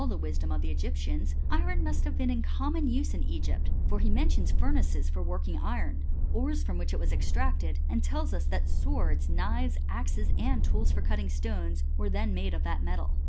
64 HISTORY OF CHEMISTRY^ Egyptians, iron must have been in common use hx Egypt : for he mentions furnaces for working iron ;* ores from which it was extracted ;t and tells us that swords t, knives, II axes, § and tools for cutting stoneSylF were then made of that metal.